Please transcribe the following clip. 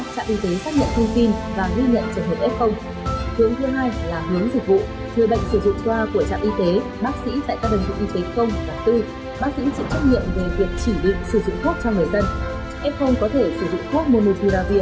có hai hướng tiếp cận sử dụng thuốc monopiravir